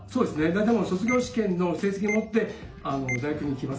大体もう卒業試験の成績を持って大学に行きますね。